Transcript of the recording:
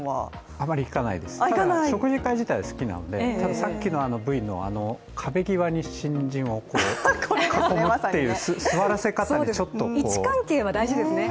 あまり行かないです、食事会自体は好きなのでさっきのＶの壁際に新人を置くという座らせ方にちょっとトイレに行けないし。